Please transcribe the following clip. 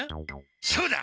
そうだ！